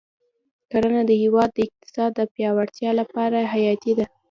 کرنه د هېواد د اقتصاد د پیاوړتیا لپاره حیاتي ده.